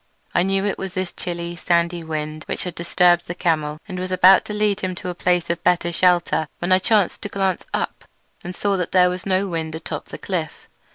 I knew it was this chilly, sandy wind which had disturbed the camel, and was about to lead him to a place of better shelter when I chanced to glance up and saw that there was no wind atop the cliff.